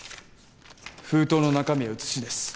封筒の中身は写しです。